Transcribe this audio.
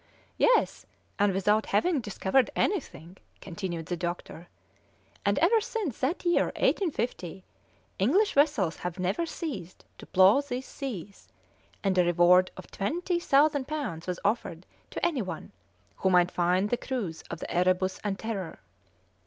"Yes, and without having discovered anything," continued the doctor; "and ever since that year, 1850, English vessels have never ceased to plough these seas, and a reward of twenty thousand pounds was offered to any one who might find the crews of the Erebus and Terror.